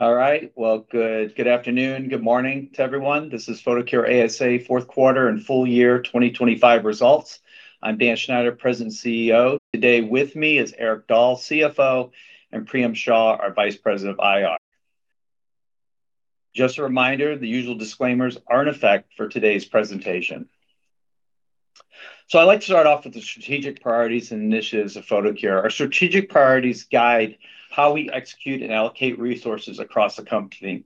All right. Well, good, good afternoon, good morning to everyone. This is Photocure ASA fourth quarter and full year 2025 results. I'm Dan Schneider, President CEO. Today with me is Erik Dahl, CFO, and Priyam Shah, our Vice President of IR. Just a reminder, the usual disclaimers are in effect for today's presentation. So I'd like to start off with the strategic priorities and initiatives of Photocure. Our strategic priorities guide how we execute and allocate resources across the company.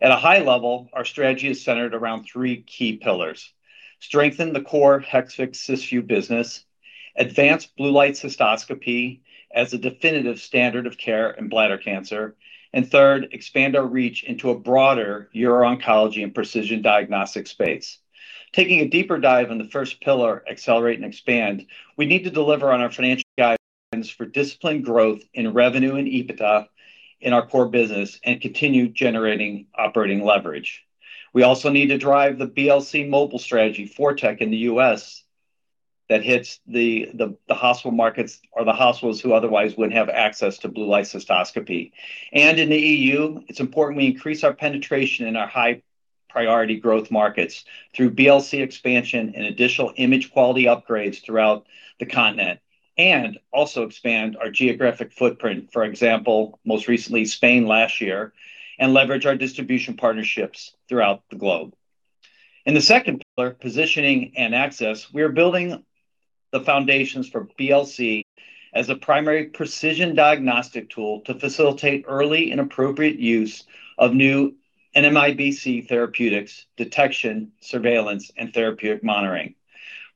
At a high level, our strategy is centered around three key pillars: strengthen the core Hexvix Cysview business, advance blue light cystoscopy as a definitive standard of care in bladder cancer, and third, expand our reach into a broader uro-oncology and precision diagnostic space. Taking a deeper dive on the first pillar, accelerate and expand, we need to deliver on our financial guidelines for disciplined growth in revenue and EBITDA in our core business and continue generating operating leverage. We also need to drive the BLC mobile strategy, ForTec in the U.S., that hits the hospital markets or the hospitals who otherwise wouldn't have access to blue light cystoscopy. And in the E.U., it's important we increase our penetration in our high-priority growth markets through BLC expansion and additional image quality upgrades throughout the continent, and also expand our geographic footprint, for example, most recently, Spain last year, and leverage our distribution partnerships throughout the globe. In the second pillar, positioning and access, we are building the foundations for BLC as a primary precision diagnostic tool to facilitate early and appropriate use of new NMIBC therapeutics, detection, surveillance, and therapeutic monitoring.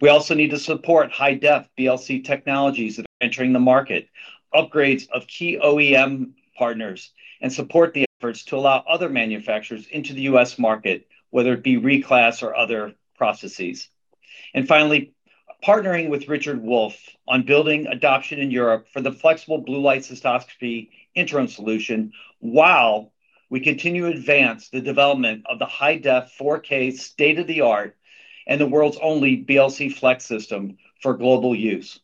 We also need to support high-def BLC technologies that are entering the market, upgrades of key OEM partners, and support the efforts to allow other manufacturers into the U.S. market, whether it be reclass or other processes. Finally, partnering with Richard Wolf on building adoption in Europe for the flexible blue light cystoscopy interim solution, while we continue to advance the development of the high-def 4K state-of-the-art and the world's only BLC flex system for global use.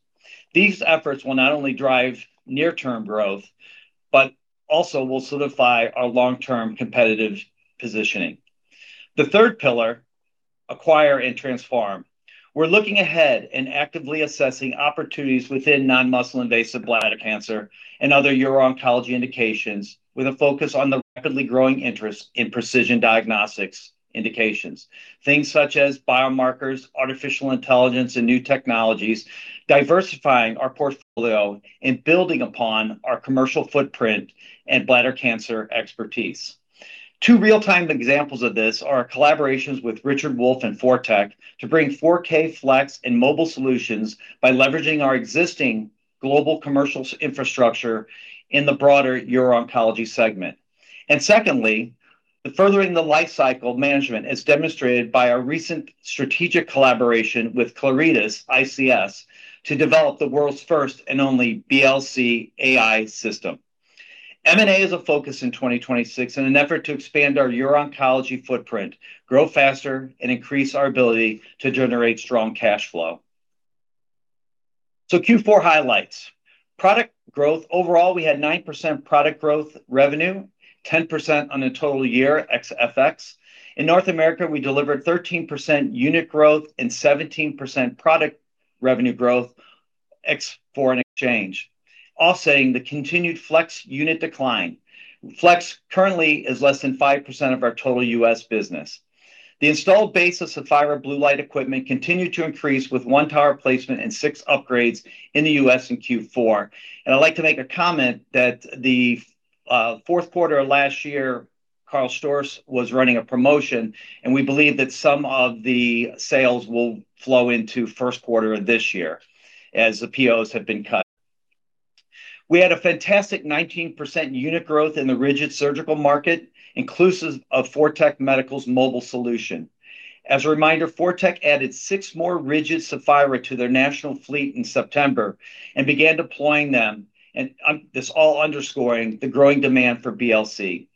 These efforts will not only drive near-term growth, but also will solidify our long-term competitive positioning. The third pillar, acquire and transform. We're looking ahead and actively assessing opportunities within non-muscle invasive bladder cancer and other uro-oncology indications, with a focus on the rapidly growing interest in precision diagnostics indications. Things such as biomarkers, artificial intelligence, and new technologies, diversifying our portfolio and building upon our commercial footprint and bladder cancer expertise. Two real-time examples of this are collaborations with Richard Wolf and ForTec to bring 4K flex and mobile solutions by leveraging our existing global commercial infrastructure in the broader uro-oncology segment. Secondly, the furthering the life cycle management is demonstrated by our recent strategic collaboration with Claritas ISC to develop the world's first and only BLC AI system. M&A is a focus in 2026, in an effort to expand our uro-oncology footprint, grow faster, and increase our ability to generate strong cash flow. Q4 highlights. Product growth. Overall, we had 9% product growth revenue, 10% on a total year ex-FX. In North America, we delivered 13% unit growth and 17% product revenue growth ex foreign exchange, offsetting the continued flex unit decline. Flex currently is less than 5% of our total U.S. business. The installed base of Sapphire blue light equipment continued to increase, with one tower placement and six upgrades in the U.S. in Q4. I'd like to make a comment that the fourth quarter of last year, Karl Storz was running a promotion, and we believe that some of the sales will flow into first quarter of this year as the POs have been cut. We had a fantastic 19% unit growth in the rigid surgical market, inclusive of ForTec Medical's mobile solution. As a reminder, ForTec added six more rigid Sapphire to their national fleet in September and began deploying them, and this all underscoring the growing demand for BLC.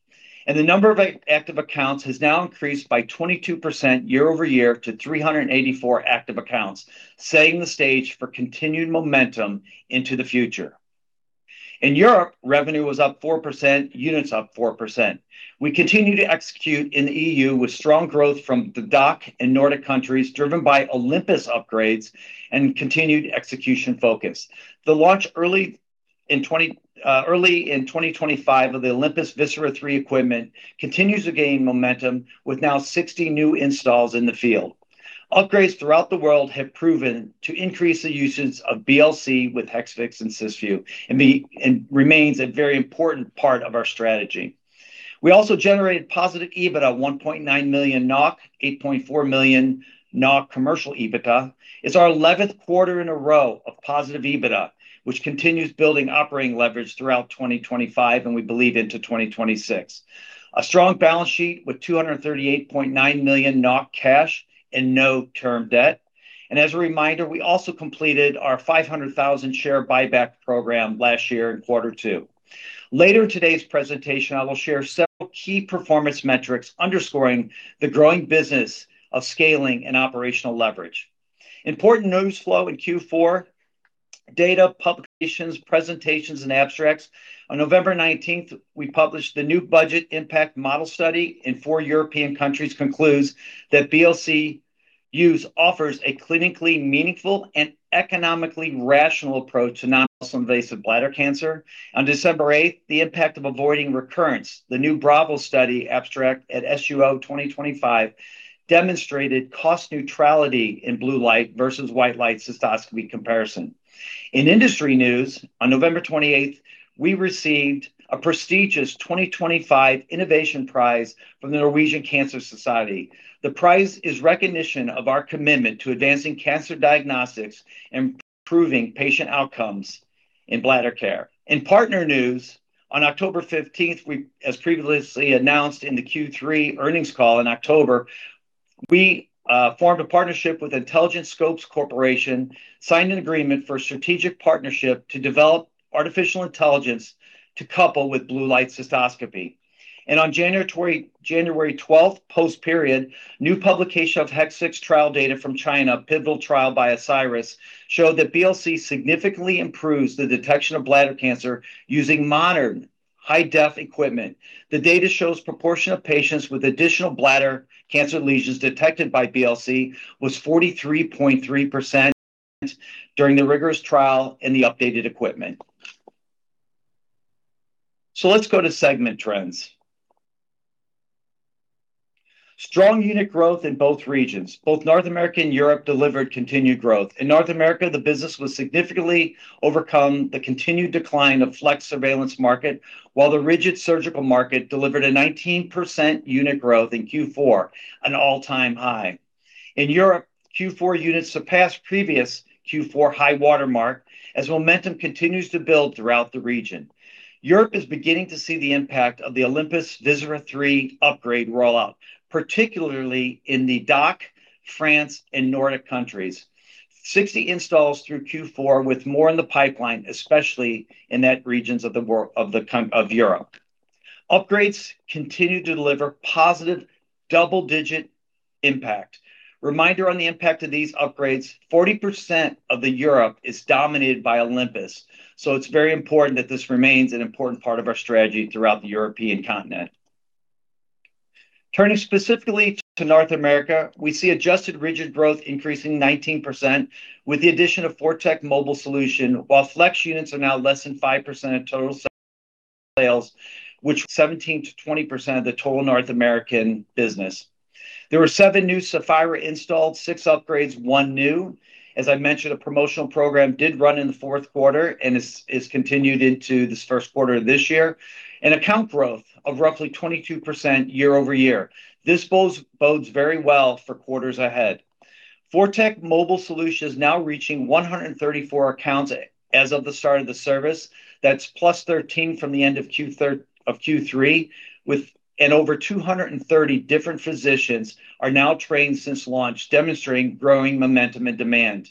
The number of active accounts has now increased by 22% year-over-year to 384 active accounts, setting the stage for continued momentum into the future. In Europe, revenue was up 4%, units up 4%. We continue to execute in the EU with strong growth from the DACH and Nordic countries, driven by Olympus upgrades and continued execution focus. The launch early in 2025 of the Olympus Visera III equipment continues to gain momentum, with now 60 new installs in the field. Upgrades throughout the world have proven to increase the usage of BLC with Hexvix and Cysview, and remains a very important part of our strategy. We also generated positive EBITDA, 1.9 million NOK, 8.4 million NOK commercial EBITDA. It's our 11th quarter in a row of positive EBITDA, which continues building operating leverage throughout 2025, and we believe into 2026. A strong balance sheet with 238.9 million NOK cash and no term debt. As a reminder, we also completed our 500,000 share buyback program last year in quarter two. Later in today's presentation, I will share several key performance metrics underscoring the growing business of scaling and operational leverage. Important news flow in Q4: data, publications, presentations, and abstracts. On November 19th, we published the new budget impact model study in four European countries, concludes that BLC use offers a clinically meaningful and economically rational approach to non-muscle invasive bladder cancer. On December 8th, the impact of avoiding recurrence, the new Bravo study abstract at SUO 2025 demonstrated cost neutrality in blue light versus white light cystoscopy comparison. In industry news, on November 28th, we received a prestigious 2025 innovation prize from the Norwegian Cancer Society. The prize is recognition of our commitment to advancing cancer diagnostics and improving patient outcomes in bladder care. In partner news, on October 15th, we, as previously announced in the Q3 earnings call in October, we formed a partnership with Intelligent Scopes Corporation, signed an agreement for a strategic partnership to develop artificial intelligence to couple with blue light cystoscopy. And on January 12th, post-period, new publication of Hexvix trial data from China, pivotal trial by Asieris, showed that BLC significantly improves the detection of bladder cancer using modern high-def equipment. The data shows proportion of patients with additional bladder cancer lesions detected by BLC was 43.3% during the rigorous trial and the updated equipment. So let's go to segment trends. Strong unit growth in both regions. Both North America and Europe delivered continued growth. In North America, the business was significantly overcome the continued decline of flex surveillance market, while the rigid surgical market delivered a 19% unit growth in Q4, an all-time high. In Europe, Q4 units surpassed previous Q4 high water mark as momentum continues to build throughout the region. Europe is beginning to see the impact of the Olympus Visera III upgrade rollout, particularly in the DACH, France, and Nordic countries. 60 installs through Q4, with more in the pipeline, especially in those regions of Europe. Upgrades continue to deliver positive double-digit impact. Reminder on the impact of these upgrades, 40% of Europe is dominated by Olympus, so it's very important that this remains an important part of our strategy throughout the European continent. Turning specifically to North America, we see adjusted rigid growth increasing 19% with the addition of ForTec Mobile Solution, while flex units are now less than 5% of total sales, which 17%-20% of the total North American business. There were seven new Sapphire installed, six upgrades, one new. As I mentioned, a promotional program did run in the fourth quarter and is continued into this first quarter of this year. An account growth of roughly 22% year-over-year. This bodes very well for quarters ahead. ForTec Mobile Solution is now reaching 134 accounts as of the start of the service. That's +13 from the end of Q3, and over 230 different physicians are now trained since launch, demonstrating growing momentum and demand.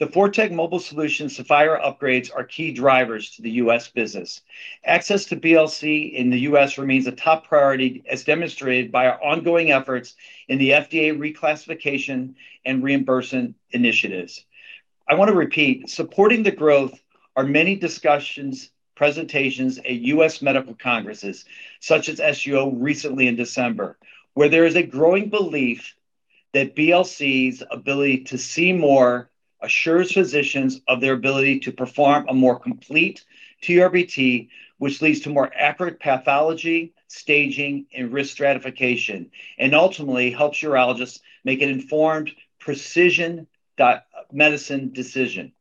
The ForTec Mobile Solution Sapphire upgrades are key drivers to the U.S. business. Access to BLC in the U.S. remains a top priority, as demonstrated by our ongoing efforts in the FDA reclassification and reimbursement initiatives. I want to repeat, supporting the growth are many discussions, presentations at U.S. medical congresses, such as SUO recently in December, where there is a growing belief that BLC's ability to see more assures physicians of their ability to perform a more complete TURBT, which leads to more accurate pathology, staging, and risk stratification, and ultimately helps urologists make an informed precision medicine decision.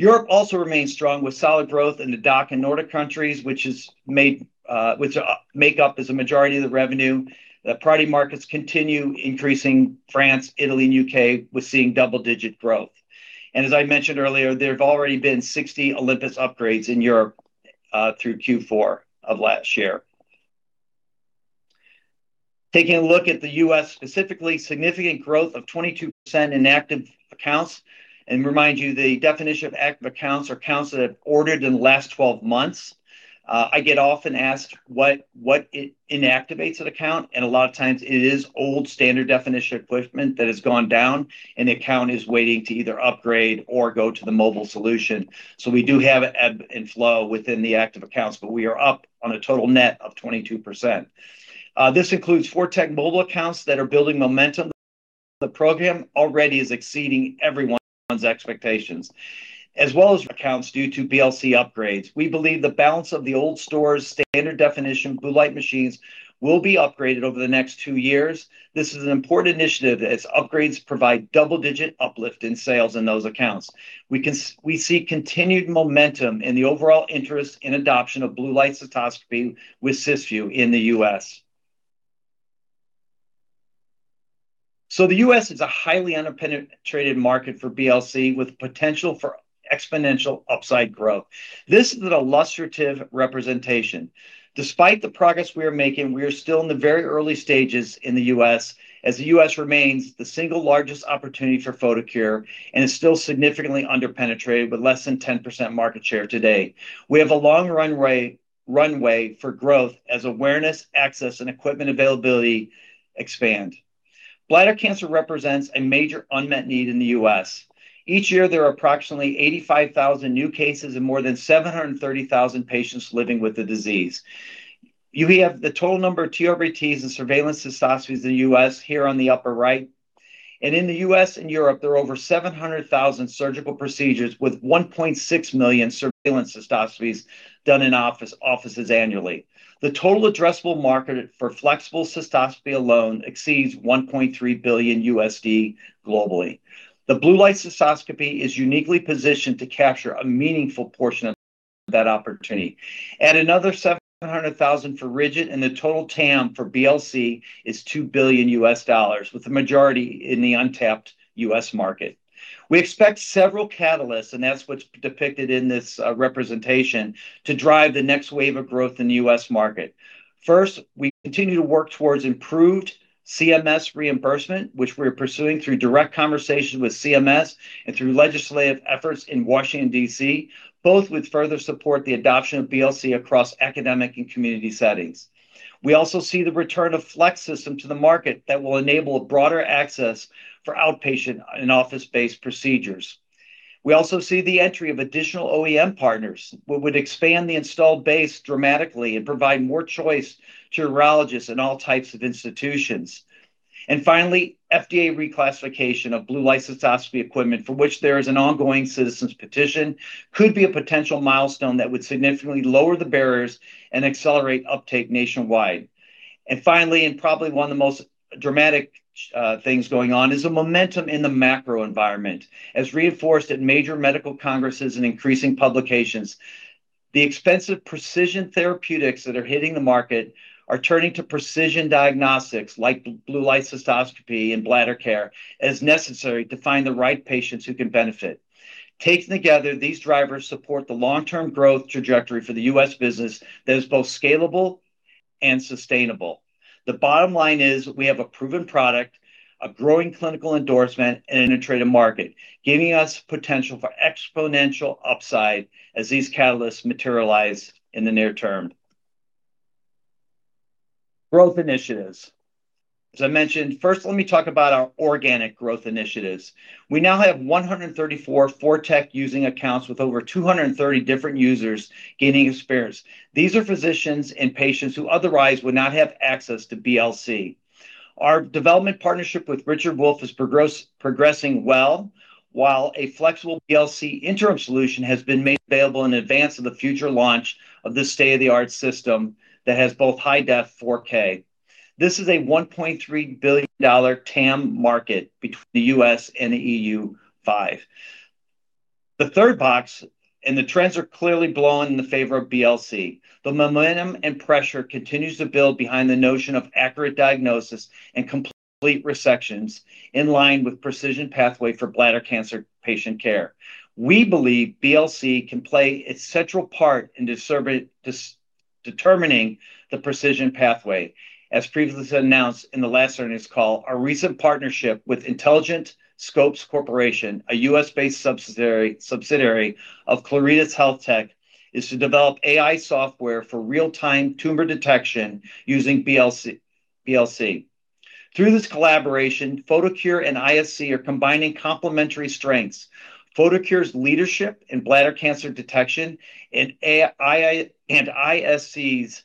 Europe also remains strong, with solid growth in the DACH and Nordic countries, which make up a majority of the revenue. The priority markets continue increasing, France, Italy, and U.K., we're seeing double-digit growth. As I mentioned earlier, there have already been 60 Olympus upgrades in Europe through Q4 of last year. Taking a look at the U.S., specifically, significant growth of 22% in active accounts. To remind you, the definition of active accounts are accounts that have ordered in the last 12 months. I get often asked what inactivates an account, and a lot of times it is old standard definition equipment that has gone down, and the account is waiting to either upgrade or go to the mobile solution. So we do have ebb and flow within the active accounts, but we are up on a total net of 22%. This includes ForTec mobile accounts that are building momentum. The program already is exceeding everyone's expectations, as well as accounts due to BLC upgrades. We believe the balance of the KARL STORZ's standard definition blue light machines will be upgraded over the next two years. This is an important initiative, as upgrades provide double-digit uplift in sales in those accounts. We see continued momentum in the overall interest in adoption of blue light cystoscopy with Cysview in the U.S. So the U.S. is a highly independent traded market for BLC, with potential for exponential upside growth. This is an illustrative representation. Despite the progress we are making, we are still in the very early stages in the U.S., as the U.S. remains the single largest opportunity for Photocure and is still significantly under-penetrated, with less than 10% market share today. We have a long runway for growth as awareness, access, and equipment availability expand. Bladder cancer represents a major unmet need in the U.S. Each year, there are approximately 85,000 new cases and more than 730,000 patients living with the disease. We have the total number of TURBTs and surveillance cystoscopies in the U.S. here on the upper right, and in the U.S. and Europe, there are over 700,000 surgical procedures with 1.6 million surveillance cystoscopies done in office, offices annually. The total addressable market for flexible cystoscopy alone exceeds $1.3 billion globally. The blue light cystoscopy is uniquely positioned to capture a meaningful portion of that opportunity. Add another 700,000 for rigid, and the total TAM for BLC is $2 billion, with the majority in the untapped U.S. market. We expect several catalysts, and that's what's depicted in this representation, to drive the next wave of growth in the U.S. market. First, we continue to work towards improved CMS reimbursement, which we're pursuing through direct conversations with CMS and through legislative efforts in Washington, D.C., both with further support the adoption of BLC across academic and community settings. We also see the return of flex system to the market that will enable broader access for outpatient and office-based procedures. We also see the entry of additional OEM partners, what would expand the installed base dramatically and provide more choice to urologists in all types of institutions. And finally, FDA reclassification of blue light cystoscopy equipment, for which there is an ongoing citizens petition, could be a potential milestone that would significantly lower the barriers and accelerate uptake nationwide. And finally, and probably one of the most dramatic things going on, is a momentum in the macro environment, as reinforced at major medical congresses and increasing publications. The expensive precision therapeutics that are hitting the market are turning to precision diagnostics, like blue light cystoscopy and bladder care, as necessary to find the right patients who can benefit. Taken together, these drivers support the long-term growth trajectory for the U.S. business that is both scalable and sustainable. The bottom line is we have a proven product, a growing clinical endorsement, and an integrated market, giving us potential for exponential upside as these catalysts materialize in the near term. Growth initiatives. As I mentioned, first, let me talk about our organic growth initiatives. We now have 134 ForTec using accounts with over 230 different users gaining experience. These are physicians and patients who otherwise would not have access to BLC. Our development partnership with Richard Wolf is progressing well, while a flexible BLC interim solution has been made available in advance of the future launch of this state-of-the-art system that has both high-def 4K. This is a $1.3 billion TAM market between the U.S. and the EU5. The third box, and the trends are clearly blowing in the favor of BLC. The momentum and pressure continues to build behind the notion of accurate diagnosis and complete resections in line with precision pathway for bladder cancer patient care. We believe BLC can play a central part in determining the precision pathway. As previously announced in the last earnings call, our recent partnership with Intelligent Scopes Corporation, a U.S.-based subsidiary of Claritas HealthTech, is to develop AI software for real-time tumor detection using BLC. Through this collaboration, Photocure and ISC are combining complementary strengths, Photocure's leadership in bladder cancer detection and AI, and ISC's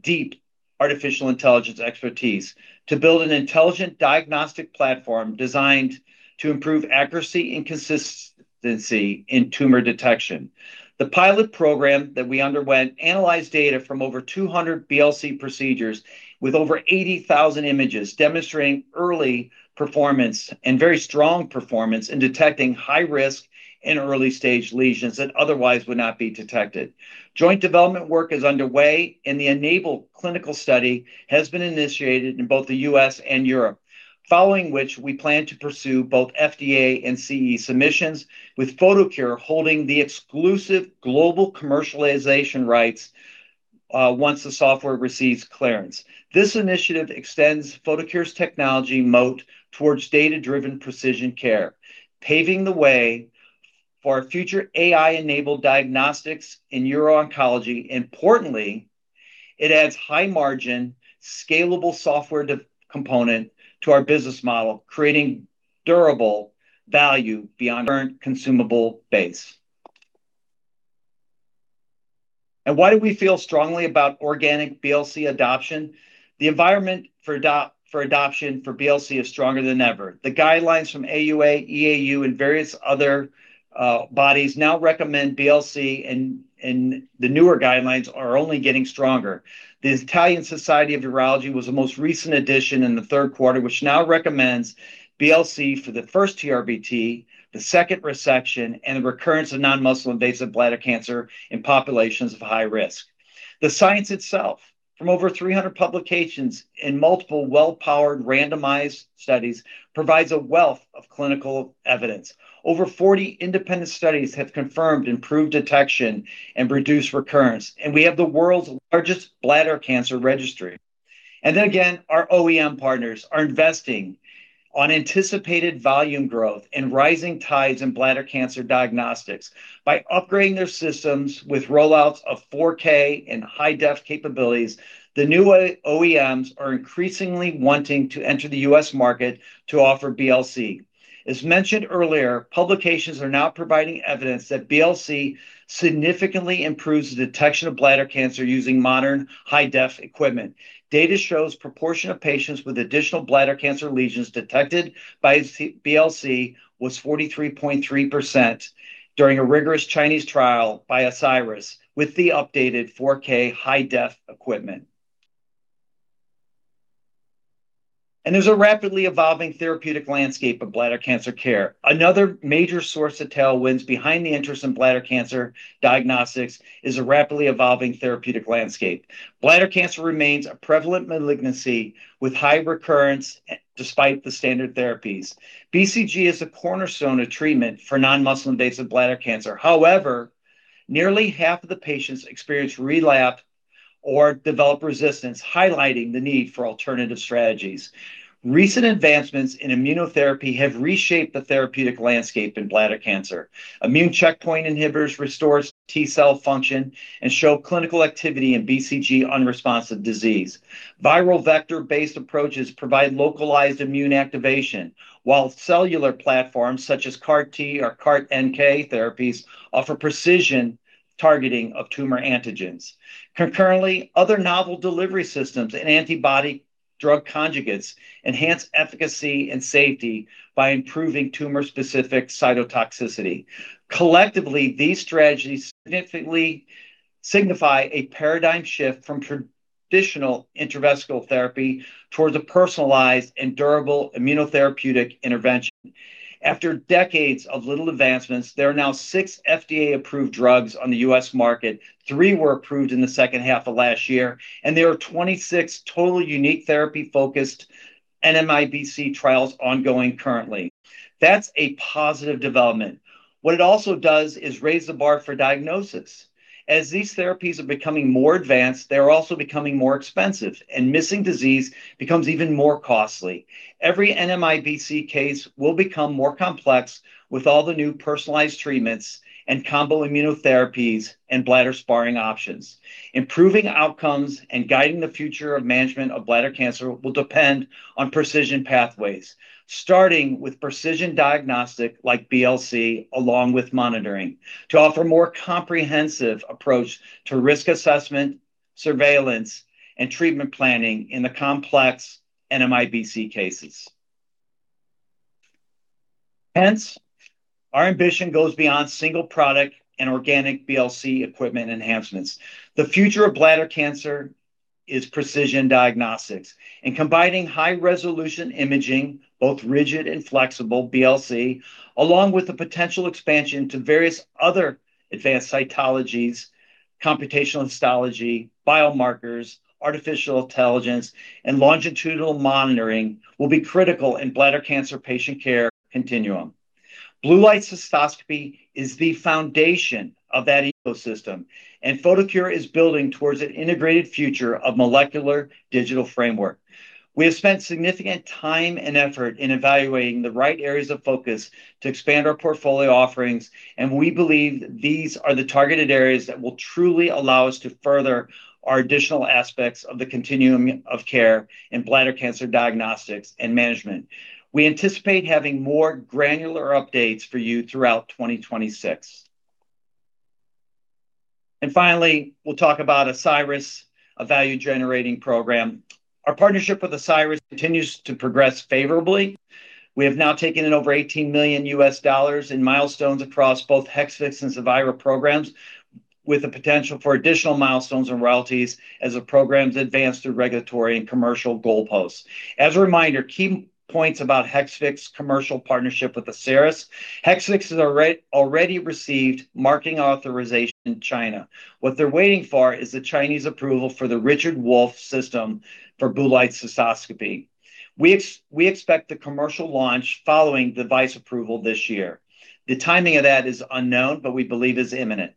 deep artificial intelligence expertise, to build an intelligent diagnostic platform designed to improve accuracy and consistency in tumor detection. The pilot program that we underwent analyzed data from over 200 BLC procedures with over 80,000 images, demonstrating early performance and very strong performance in detecting high risk and early-stage lesions that otherwise would not be detected. Joint development work is underway, and the ENABLE clinical study has been initiated in both the U.S. and Europe, following which we plan to pursue both FDA and CE submissions, with Photocure holding the exclusive global commercialization rights once the software receives clearance. This initiative extends Photocure's technology moat towards data-driven precision care, paving the way for future AI-enabled diagnostics in uro-oncology. Importantly, it adds high margin, scalable software component to our business model, creating durable value beyond current consumable base. Why do we feel strongly about organic BLC adoption? The environment for adoption for BLC is stronger than ever. The guidelines from AUA, EAU, and various other bodies now recommend BLC, and the newer guidelines are only getting stronger. The Italian Society of Urology was the most recent addition in the third quarter, which now recommends BLC for the first TURBT, the second resection, and the recurrence of non-muscle invasive bladder cancer in populations of high risk. The science itself, from over 300 publications in multiple well-powered randomized studies, provides a wealth of clinical evidence. Over 40 independent studies have confirmed improved detection and reduced recurrence, and we have the world's largest bladder cancer registry. Then again, our OEM partners are investing on anticipated volume growth and rising tides in bladder cancer diagnostics by upgrading their systems with rollouts of 4K and high-def capabilities. The new OEMs are increasingly wanting to enter the U.S. market to offer BLC. As mentioned earlier, publications are now providing evidence that BLC significantly improves the detection of bladder cancer using modern high-def equipment. Data shows proportion of patients with additional bladder cancer lesions detected by BLC was 43.3% during a rigorous Chinese trial by Asieris with the updated 4K high-def equipment. There's a rapidly evolving therapeutic landscape of bladder cancer care. Another major source of tailwinds behind the interest in bladder cancer diagnostics is a rapidly evolving therapeutic landscape. Bladder cancer remains a prevalent malignancy with high recurrence, despite the standard therapies. BCG is a cornerstone of treatment for non-muscle invasive bladder cancer. However, nearly half of the patients experience relapse or develop resistance, highlighting the need for alternative strategies. Recent advancements in immunotherapy have reshaped the therapeutic landscape in bladder cancer. Immune checkpoint inhibitors restores T cell function and show clinical activity in BCG-unresponsive disease. Viral vector-based approaches provide localized immune activation, while cellular platforms such as CAR T or CAR NK therapies offer precision targeting of tumor antigens. Concurrently, other novel delivery systems and antibody drug conjugates enhance efficacy and safety by improving tumor-specific cytotoxicity. Collectively, these strategies significantly signify a paradigm shift from traditional intravesical therapy towards a personalized and durable immunotherapeutic intervention. After decades of little advancements, there are now six FDA-approved drugs on the U.S. market. Three were approved in the second half of last year, and there are 26 total unique therapy-focused NMIBC trials ongoing currently. That's a positive development. What it also does is raise the bar for diagnosis. As these therapies are becoming more advanced, they're also becoming more expensive, and missing disease becomes even more costly. Every NMIBC case will become more complex with all the new personalized treatments and combo immunotherapies and bladder-sparing options. Improving outcomes and guiding the future of management of bladder cancer will depend on precision pathways, starting with precision diagnostic, like BLC, along with monitoring, to offer a more comprehensive approach to risk assessment, surveillance, and treatment planning in the complex NMIBC cases. Hence, our ambition goes beyond single product and organic BLC equipment enhancements. The future of bladder cancer is precision diagnostics, and combining high-resolution imaging, both rigid and flexible BLC, along with the potential expansion to various other advanced cytologies, computational histology, biomarkers, artificial intelligence, and longitudinal monitoring, will be critical in bladder cancer patient care continuum. Blue light cystoscopy is the foundation of that ecosystem, and Photocure is building towards an integrated future of molecular digital framework. We have spent significant time and effort in evaluating the right areas of focus to expand our portfolio offerings, and we believe these are the targeted areas that will truly allow us to further our additional aspects of the continuum of care in bladder cancer diagnostics and management. We anticipate having more granular updates for you throughout 2026. And finally, we'll talk about Asieris, a value-generating program. Our partnership with Asieris continues to progress favorably. We have now taken in over $18 million in milestones across both Hexvix and Cevira programs, with the potential for additional milestones and royalties as the programs advance through regulatory and commercial goalposts. As a reminder, key points about Hexvix commercial partnership with Asieris. Hexvix has already received marketing authorization in China. What they're waiting for is the Chinese approval for the Richard Wolf system for blue light cystoscopy. We expect the commercial launch following device approval this year. The timing of that is unknown, but we believe is imminent.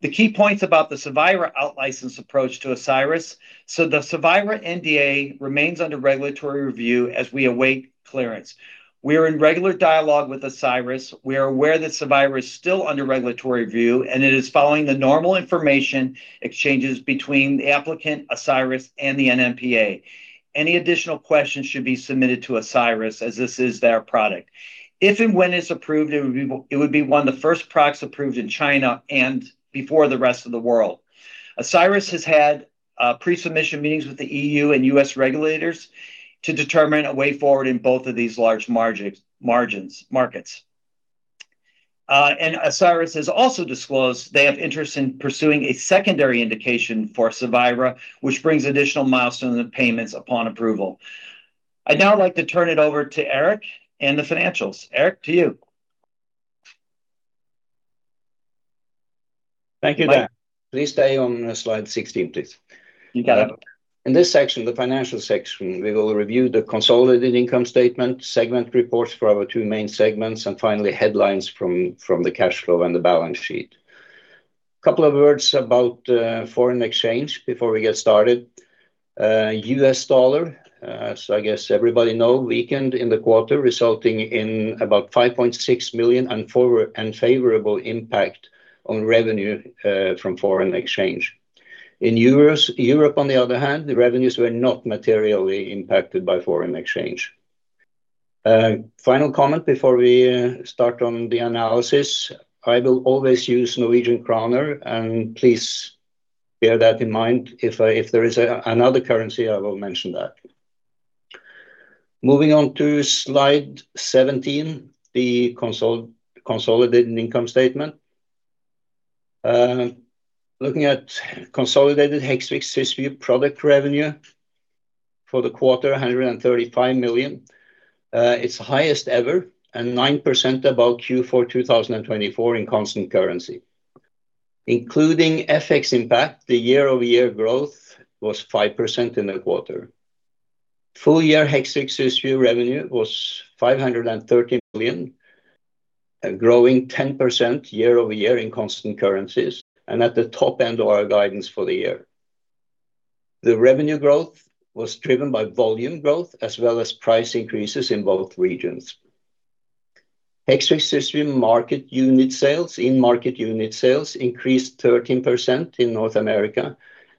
The key points about the Cevira outlicense approach to Asieris, so the Cevira NDA remains under regulatory review as we await clearance. We are in regular dialogue with Asieris. We are aware that Cevira is still under regulatory review, and it is following the normal information exchanges between the applicant, Asieris, and the NMPA. Any additional questions should be submitted to Asieris, as this is their product. If and when it's approved, it would be, it would be one of the first products approved in China and before the rest of the world. Asieris has had pre-submission meetings with the E.U. and U.S. regulators to determine a way forward in both of these large margins, markets. And Asieris has also disclosed they have interest in pursuing a secondary indication for Cevira, which brings additional milestone and payments upon approval. I'd now like to turn it over to Erik and the financials. Erik, to you. Thank you, Dan. Please stay on slide 16, please. You got it. In this section, the financial section, we will review the consolidated income statement, segment reports for our two main segments, and finally, headlines from the cash flow and the balance sheet. A couple of words about foreign exchange before we get started. US dollar, so I guess everybody know, weakened in the quarter, resulting in about 5.6 million unfavorable impact on revenue from foreign exchange. In euros, Europe, on the other hand, the revenues were not materially impacted by foreign exchange. Final comment before we start on the analysis, I will always use Norwegian kroner, and please bear that in mind. If there is another currency, I will mention that. Moving on to Slide 17, the consolidated income statement. Looking at consolidated Hexvix/Cysview product revenue for the quarter, 135 million. It's the highest ever, and 9% above Q4 2024 in constant currency. Including FX impact, the year-over-year growth was 5% in the quarter. Full year Hexvix/Cysview revenue was 530 million, and growing 10% year-over-year in constant currencies, and at the top end of our guidance for the year. The revenue growth was driven by volume growth, as well as price increases in both regions. Hexvix/Cysview market unit sales, in-market unit sales increased 13% in North America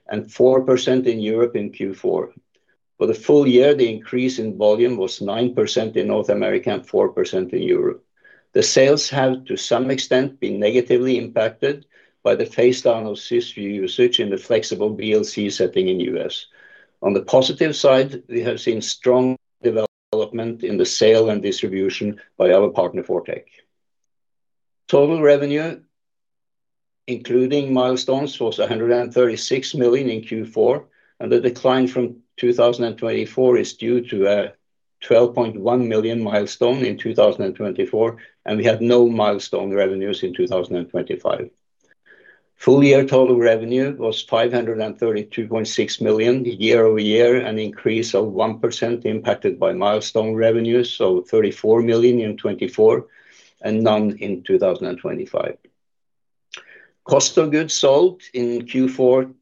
and 4% in Europe in Q4. For the full year, the increase in volume was 9% in North America and 4% in Europe. The sales have, to some extent, been negatively impacted by the phase down of Cysview usage in the flexible BLC setting in U.S. On the positive side, we have seen strong development in the sale and distribution by our partner, ForTec. Total revenue, including milestones, was 136 million in Q4, and the decline from 2024 is due to a 12.1 million milestone in 2024, and we had no milestone revenues in 2025. Full year total revenue was 532.6 million, year-over-year, an increase of 1% impacted by milestone revenues, so 34 million in 2024 and none in 2025. Cost of goods sold in Q4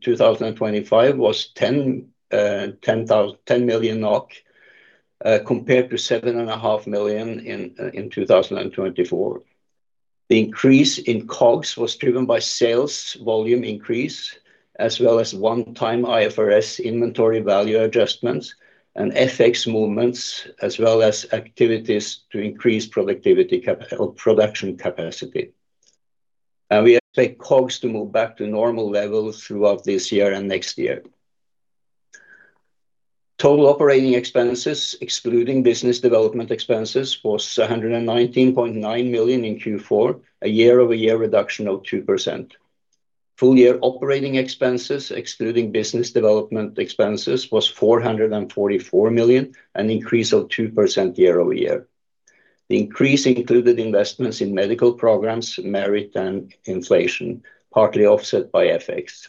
2025 was 10 million NOK compared to 7.5 million in 2024. The increase in COGS was driven by sales volume increase, as well as one-time IFRS inventory value adjustments and FX movements, as well as activities to increase production capacity. We expect COGS to move back to normal levels throughout this year and next year. Total operating expenses, excluding business development expenses, was 119.9 million in Q4, a year-over-year reduction of 2%. Full year operating expenses, excluding business development expenses, was 444 million, an increase of 2% year-over-year. The increase included investments in medical programs, merit, and inflation, partly offset by FX.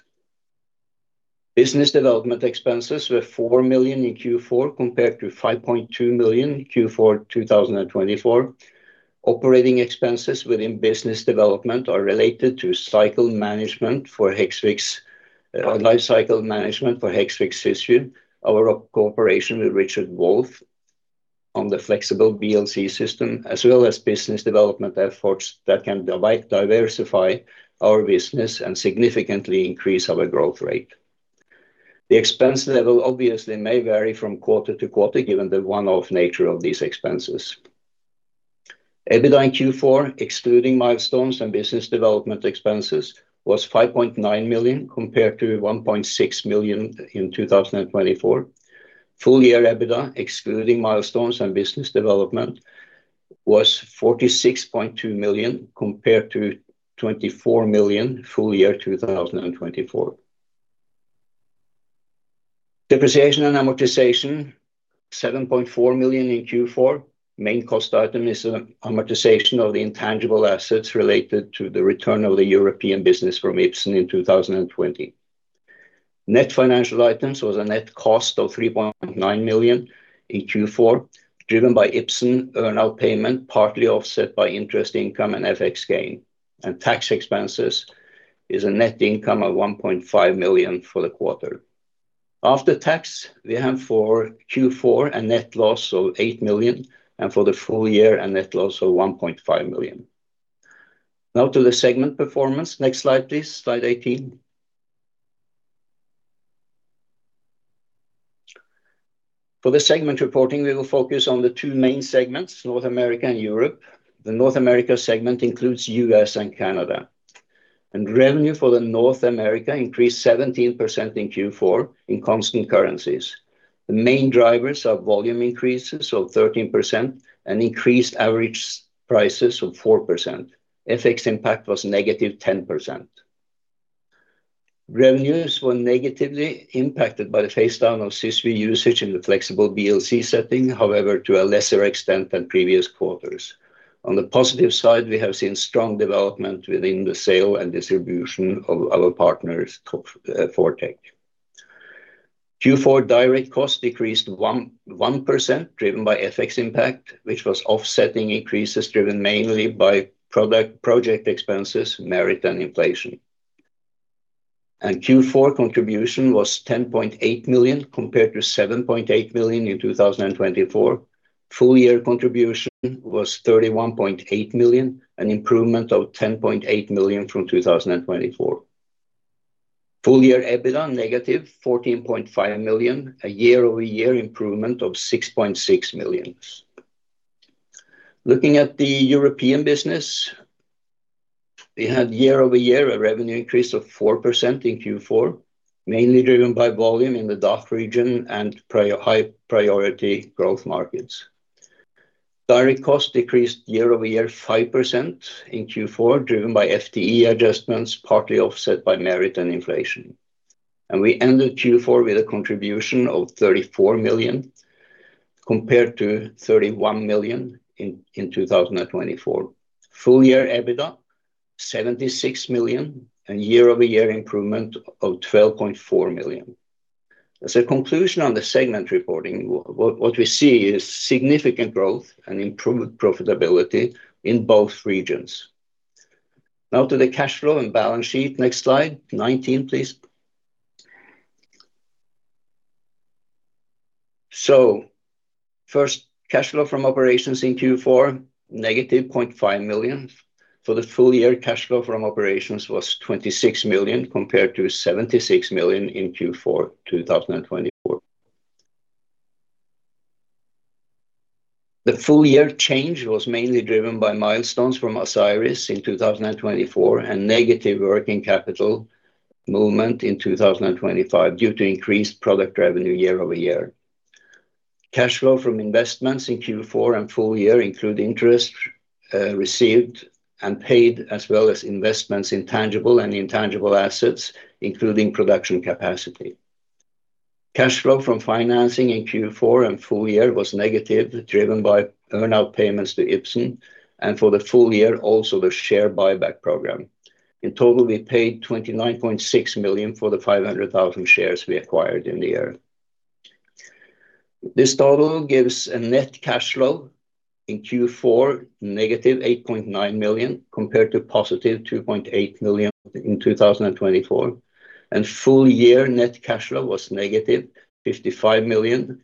Business development expenses were 4 million in Q4, compared to 5.2 million Q4 2024. Operating expenses within business development are related to life cycle management for Hexvix, Cysview, our cooperation with Richard Wolf on the flexible BLC system, as well as business development efforts that can diversify our business and significantly increase our growth rate. The expense level obviously may vary from quarter to quarter, given the one-off nature of these expenses. EBITDA in Q4, excluding milestones and business development expenses, was 5.9 million, compared to 1.6 million in 2024. Full year EBITDA, excluding milestones and business development, was 46.2 million, compared to 24 million full year 2024. Depreciation and amortization, 7.4 million in Q4. Main cost item is amortization of the intangible assets related to the return of the European business from Ipsen in 2020. Net financial items was a net cost of 3.9 million in Q4, driven by Ipsen earn-out payment, partly offset by interest income and FX gain. Tax expenses is a net income of 1.5 million for the quarter. After tax, we have for Q4 a net loss of 8 million, and for the full year, a net loss of 1.5 million. Now to the segment performance. Next slide, please. Slide 18. For the segment reporting, we will focus on the two main segments, North America and Europe. The North America segment includes U.S. and Canada. Revenue for the North America increased 17% in Q4 in constant currencies. The main drivers are volume increases of 13% and increased average prices of 4%. FX impact was -10%. Revenues were negatively impacted by the phase down of Cysview usage in the flexible BLC setting, however, to a lesser extent than previous quarters. On the positive side, we have seen strong development within the sale and distribution of our partners, top, ForTec. Q4 direct costs decreased 1%, driven by FX impact, which was offsetting increases driven mainly by product project expenses, merit, and inflation. Q4 contribution was 10.8 million, compared to 7.8 million in 2024. Full year contribution was 31.8 million, an improvement of 10.8 million from 2024. Full year EBITDA, -14.5 million, a year-over-year improvement of 6.6 million. Looking at the European business, we had year-over-year a revenue increase of 4% in Q4, mainly driven by volume in the DACH region and prior high priority growth markets. Direct costs decreased year-over-year 5% in Q4, driven by FTE adjustments, partly offset by merit and inflation. We ended Q4 with a contribution of 34 million, compared to 31 million in 2024. Full year EBITDA, 76 million, a year-over-year improvement of 12.4 million. As a conclusion on the segment reporting, what we see is significant growth and improved profitability in both regions. Now to the cash flow and balance sheet. Next Slide 19, please. So first, cash flow from operations in Q4, -0.5 million. For the full year, cash flow from operations was 26 million, compared to 76 million in Q4 2024. The full year change was mainly driven by milestones from Asieris in 2024, and negative working capital movement in 2025, due to increased product revenue year-over-year. Cash flow from investments in Q4 and full year include interest, received and paid, as well as investments in tangible and intangible assets, including production capacity. Cash flow from financing in Q4 and full year was negative, driven by earn-out payments to Ipsen, and for the full year, also the share buyback program. In total, we paid 29.6 million for the 500,000 shares we acquired in the year. This total gives a net cash flow in Q4, -8.9 million, compared to +2.8 million in 2024, and full year net cash flow was -55 million,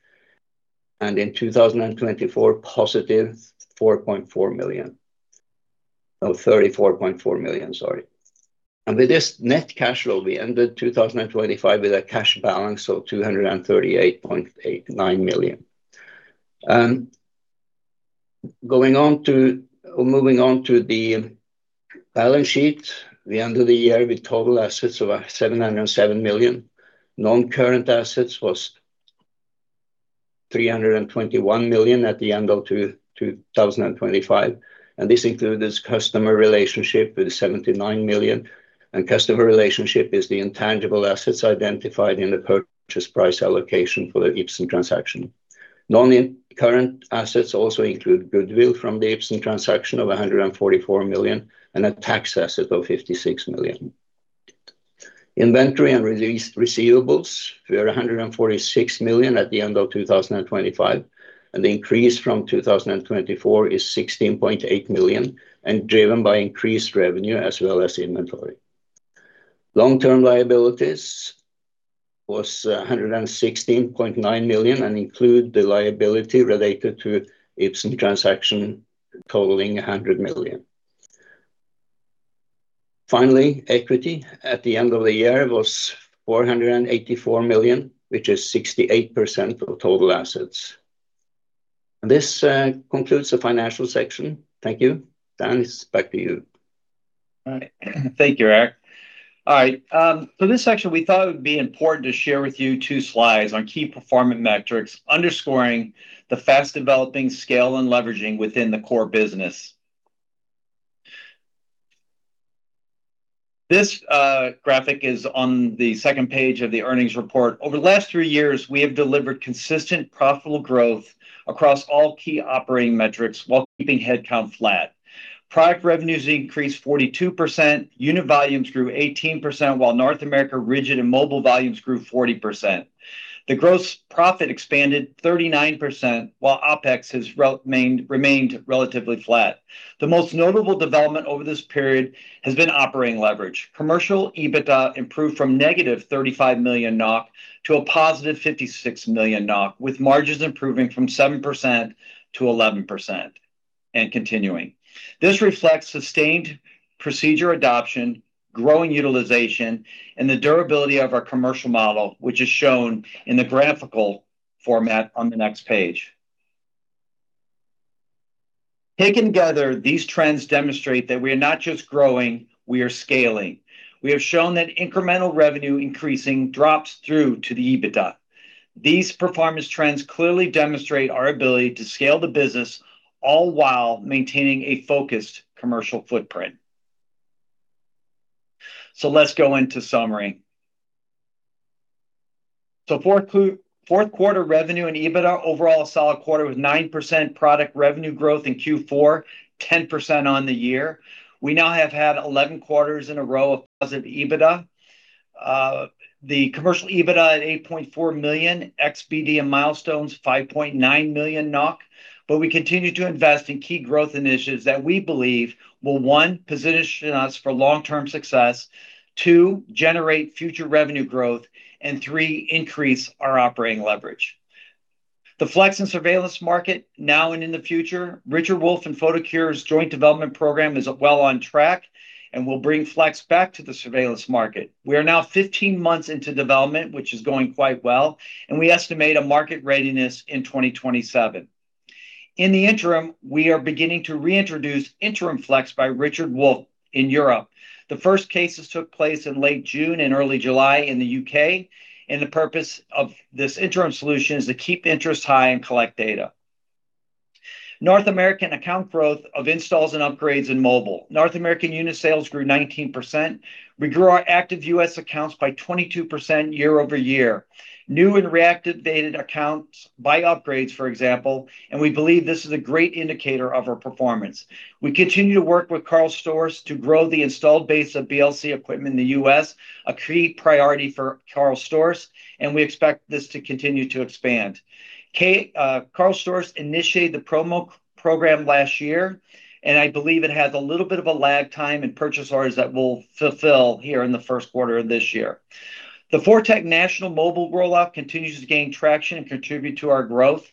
and in 2024, +4.4 million- oh +4.2 million, sorry. And with this net cash flow, we ended 2025 with a cash balance of 238.89 million. Going on to or moving on to the balance sheet, we ended the year with total assets of 707 million. Non-current assets was 321 million at the end of 2025, and this includes customer relationship with 79 million. Customer relationship is the intangible assets identified in the purchase price allocation for the Ipsen transaction. Non-current assets also include goodwill from the Ipsen transaction of 144 million and a tax asset of 56 million. Inventory and trade receivables were 146 million at the end of 2025, and the increase from 2024 is 16.8 million, and driven by increased revenue as well as inventory. Long-term liabilities was 116.9 million and include the liability related to Ipsen transaction, totaling 100 million. Finally, equity at the end of the year was 484 million, which is 68% of total assets. This concludes the financial section. Thank you. Dennis, back to you. All right. Thank you, Erik. All right, for this section, we thought it would be important to share with you two slides on key performance metrics, underscoring the fast-developing scale and leveraging within the core business. This graphic is on the second page of the earnings report. Over the last three years, we have delivered consistent, profitable growth across all key operating metrics while keeping headcount flat. Product revenues increased 42%, unit volumes grew 18%, while North America rigid and mobile volumes grew 40%. The gross profit expanded 39%, while OpEx has remained relatively flat. The most notable development over this period has been operating leverage. Commercial EBITDA improved from -35 million NOK to +56 million NOK, with margins improving from 7% to 11%, and continuing. This reflects sustained procedure adoption, growing utilization, and the durability of our commercial model, which is shown in the graphical format on the next page. Taken together, these trends demonstrate that we are not just growing, we are scaling. We have shown that incremental revenue increasing drops through to the EBITDA. These performance trends clearly demonstrate our ability to scale the business, all while maintaining a focused commercial footprint. So let's go into summary. So fourth quarter revenue and EBITDA, overall, a solid quarter with 9% product revenue growth in Q4, 10% on the year. We now have had 11 quarters in a row of positive EBITDA, the commercial EBITDA at 8.4 million, EBITDA and milestones 5.9 million NOK. But we continue to invest in key growth initiatives that we believe will, one, position us for long-term success, two, generate future revenue growth, and three, increase our operating leverage. The flex and surveillance market now and in the future, Richard Wolf and Photocure's joint development program is well on track and will bring flex back to the surveillance market. We are now 15 months into development, which is going quite well, and we estimate a market readiness in 2027. In the interim, we are beginning to reintroduce interim flex by Richard Wolf in Europe. The first cases took place in late June and early July in the U.K., and the purpose of this interim solution is to keep interest high and collect data. North American account growth of installs and upgrades in mobile. North American unit sales grew 19%. We grew our active U.S. accounts by 22% year-over-year. New and reactivated accounts by upgrades, for example, and we believe this is a great indicator of our performance. We continue to work with KARL STORZ to grow the installed base of BLC equipment in the U.S., a key priority for KARL STORZ, and we expect this to continue to expand. KARL STORZ initiated the promo program last year, and I believe it has a little bit of a lag time in purchase orders that will fulfill here in the first quarter of this year. The ForTec national mobile rollout continues to gain traction and contribute to our growth,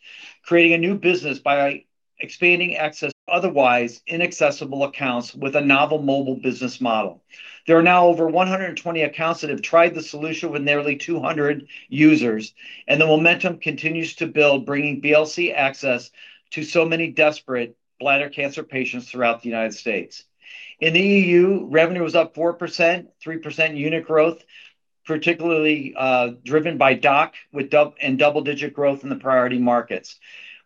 creating a new business by expanding access to otherwise inaccessible accounts with a novel mobile business model. There are now over 120 accounts that have tried the solution with nearly 200 users, and the momentum continues to build, bringing BLC access to so many desperate bladder cancer patients throughout the United States. In the EU, revenue was up 4%, 3% unit growth, particularly driven by DACH with double-digit growth in the priority markets.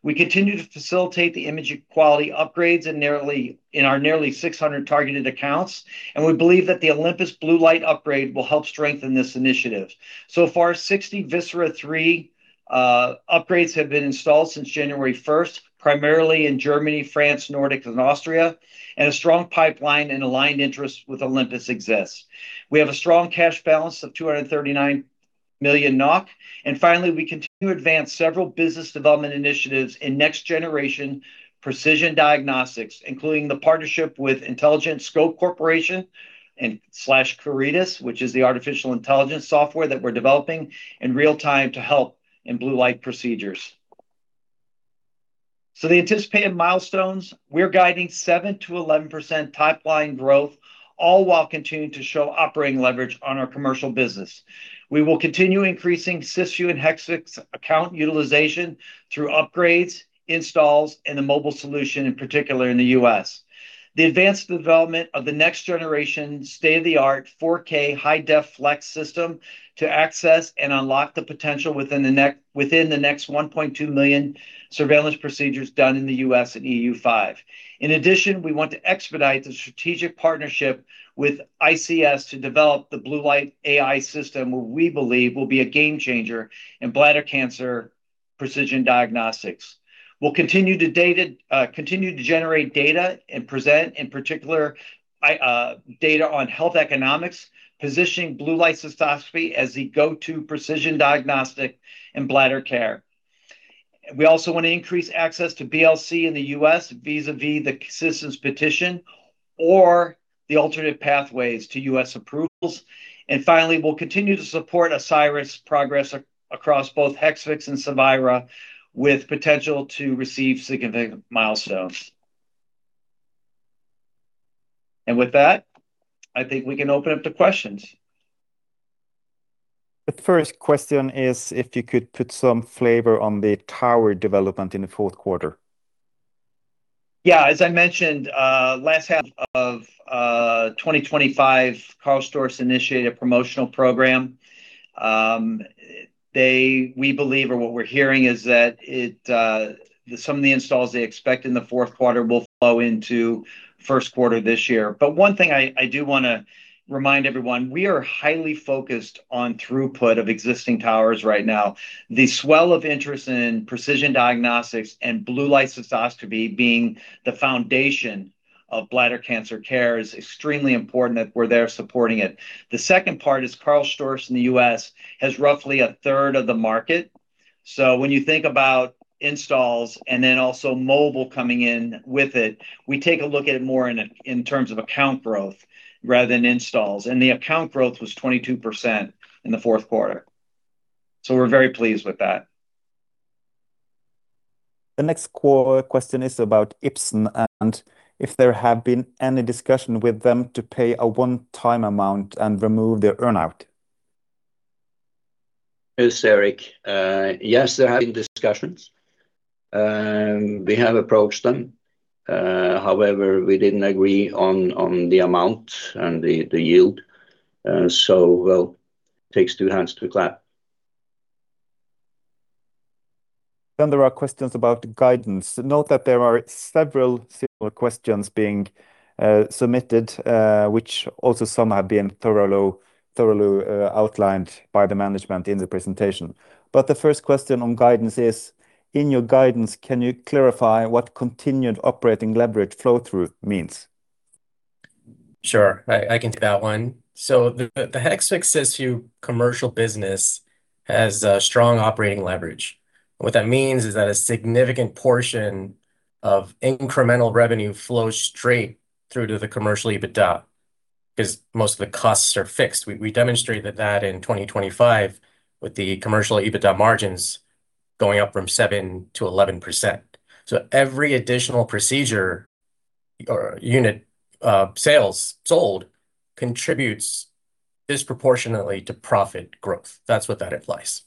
We continue to facilitate the image quality upgrades in our nearly 600 targeted accounts, and we believe that the Olympus blue light upgrade will help strengthen this initiative. So far, 60 Visera III upgrades have been installed since January first, primarily in Germany, France, Nordic, and Austria, and a strong pipeline and aligned interests with Olympus exists. We have a strong cash balance of 239 million NOK. Finally, we continue to advance several business development initiatives in next generation precision diagnostics, including the partnership with Intelligent Scopes Corporation slash Claritas, which is the artificial intelligence software that we're developing in real time to help in blue light procedures. So the anticipated milestones, we're guiding 7%-11% top line growth, all while continuing to show operating leverage on our commercial business. We will continue increasing Cysview and Hexvix account utilization through upgrades, installs, and the mobile solution, in particular in the U.S. The advanced development of the next generation, state-of-the-art, 4K high-def flex system to access and unlock the potential within the next 1.2 million surveillance procedures done in the U.S. and EU5. In addition, we want to expedite the strategic partnership with ISC to develop the Blue Light AI system, which we believe will be a game changer in bladder cancer precision diagnostics. We'll continue to generate data and present, in particular, data on health economics, positioning blue light cystoscopy as the go-to precision diagnostic in bladder care. We also want to increase access to BLC in the U.S., vis-à-vis the citizens petition or the alternative pathways to U.S. approvals. And finally, we'll continue to support Asieris progress across both Hexvix and Cevira, with potential to receive significant milestones. And with that, I think we can open up to questions. The first question is if you could put some flavor on the tower development in the fourth quarter? Yeah, as I mentioned, last half of 2025, KARL STORZ initiated a promotional program. They... We believe or what we're hearing is that it, some of the installs they expect in the fourth quarter will flow into first quarter this year. But one thing I do want to remind everyone, we are highly focused on throughput of existing towers right now. The swell of interest in precision diagnostics and blue light cystoscopy being the foundation of bladder cancer care is extremely important, that we're there supporting it. The second part is KARL STORZ in the U.S. has roughly a third of the market. So when you think about installs and then also mobile coming in with it, we take a look at it more in terms of account growth rather than installs. And the account growth was 22% in the fourth quarter. We're very pleased with that. The next question is about Ipsen and if there have been any discussion with them to pay a one-time amount and remove their earn-out. Yes, Erik. Yes, there have been discussions, and we have approached them. However, we didn't agree on the amount and the yield, so well, it takes two hands to clap. Then there are questions about guidance. Note that there are several questions being submitted, which also some have been thoroughly outlined by the management in the presentation. But the first question on guidance is: in your guidance, can you clarify what continued operating leverage flow-through means? Sure, I, I can do that one. So the Hexvix commercial business has a strong operating leverage. What that means is that a significant portion of incremental revenue flows straight through to the commercial EBITDA, because most of the costs are fixed. We, we demonstrated that in 2025 with the commercial EBITDA margins going up from 7%-11%. So every additional procedure or unit sales sold contributes disproportionately to profit growth. That's what that implies.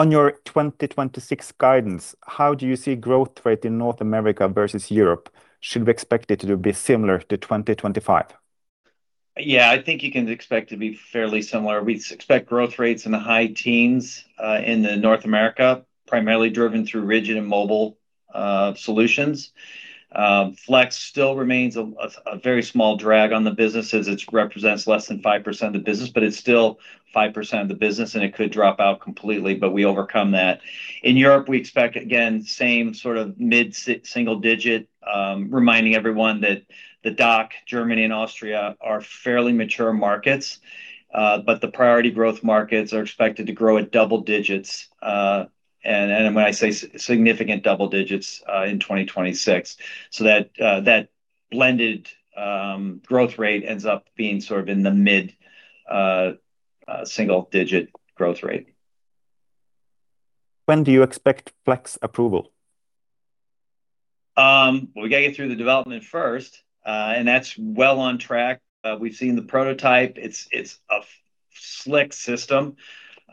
On your 2026 guidance, how do you see growth rate in North America versus Europe? Should we expect it to be similar to 2025? Yeah, I think you can expect to be fairly similar. We expect growth rates in the high teens in North America, primarily driven through rigid and mobile solutions. Flex still remains a very small drag on the business, as it represents less than 5% of the business, but it's still 5% of the business, and it could drop out completely, but we overcome that. In Europe, we expect, again, same sort of mid-single digit. Reminding everyone that the DACH, Germany and Austria, are fairly mature markets, but the priority growth markets are expected to grow at double digits. And when I say significant double digits in 2026. So that blended growth rate ends up being sort of in the mid single-digit growth rate. When do you expect flex approval? Well, we got to get through the development first, and that's well on track. We've seen the prototype. It's a slick system.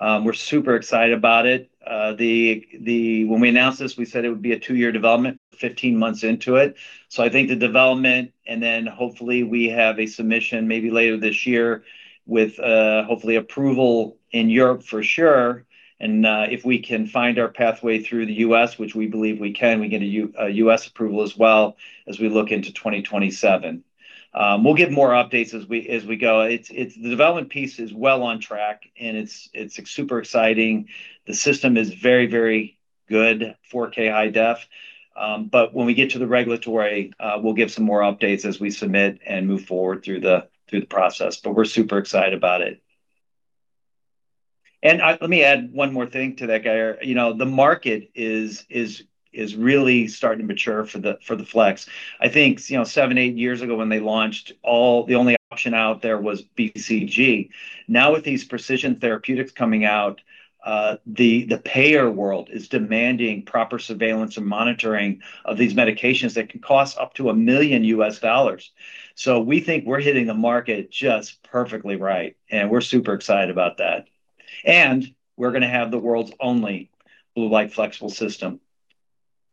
We're super excited about it. When we announced this, we said it would be a two-year development, 15 months into it. So I think the development, and then hopefully we have a submission maybe later this year with hopefully approval in Europe for sure, and if we can find our pathway through the U.S., which we believe we can, we get a U.S. approval as well as we look into 2027. We'll give more updates as we go. The development piece is well on track, and it's super exciting. The system is very, very good, 4K high def. But when we get to the regulatory, we'll give some more updates as we submit and move forward through the process, but we're super excited about it. And let me add one more thing to that, Geir. You know, the market is really starting to mature for the flex. I think, you know, 7-8 years ago, when they launched, the only option out there was BCG. Now, with these precision therapeutics coming out, the payer world is demanding proper surveillance and monitoring of these medications that can cost up to $1 million. So we think we're hitting the market just perfectly right, and we're super excited about that. And we're going to have the world's only blue light flexible system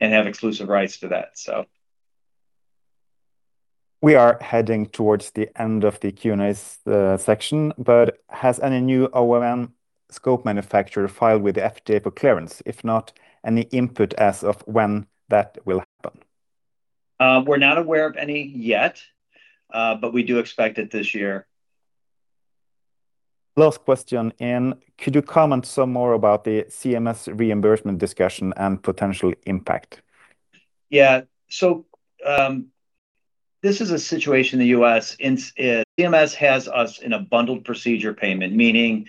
and have exclusive rights to that, so. We are heading towards the end of the Q&A section, but has any new OEM scope manufacturer filed with the FDA for clearance? If not, any input as of when that will happen? We're not aware of any yet, but we do expect it this year. Last question, and could you comment some more about the CMS reimbursement discussion and potential impact? Yeah. So, this is a situation in the U.S., in—CMS has us in a bundled procedure payment, meaning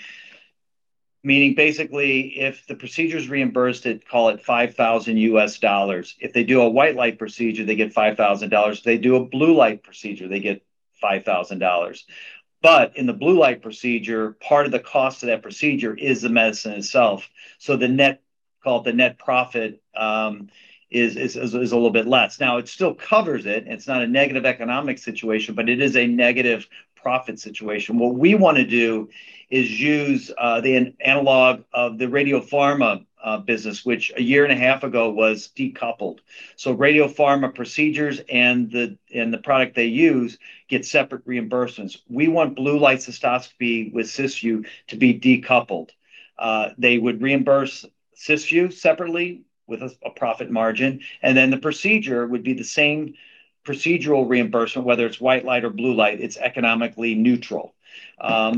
basically if the procedure is reimbursed at, call it $5,000, if they do a white light procedure, they get $5,000. If they do a blue light procedure, they get $5,000. But in the blue light procedure, part of the cost of that procedure is the medicine itself. So the net, call it the net profit, is a little bit less. Now, it still covers it, and it's not a negative economic situation, but it is a negative profit situation. What we want to do is use the analog of the radiopharma business, which a year and a half ago was decoupled. So radiopharma procedures and the product they use get separate reimbursements. We want blue light cystoscopy with Cysview to be decoupled. They would reimburse Cysview separately with a profit margin, and then the procedure would be the same procedural reimbursement, whether it's white light or blue light, it's economically neutral.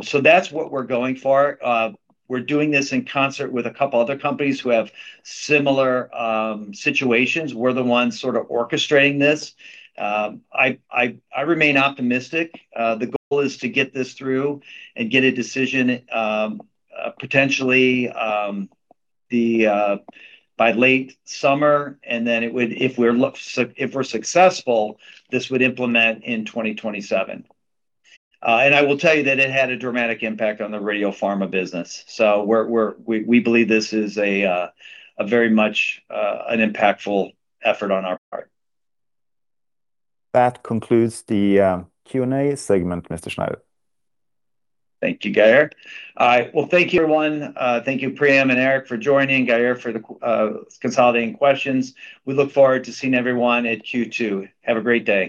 So that's what we're going for. We're doing this in concert with a couple other companies who have similar situations. We're the ones sort of orchestrating this. I remain optimistic. The goal is to get this through and get a decision, potentially by late summer, and then it would—if we're successful, this would implement in 2027. And I will tell you that it had a dramatic impact on the radiopharma business. So we're—we believe this is a very much an impactful effort on our part. That concludes the Q&A segment, Mr. Schneider. Thank you, Geir. Well, thank you, everyone. Thank you, Priyam and Erik, for joining, Geir, for the consolidating questions. We look forward to seeing everyone at Q2. Have a great day.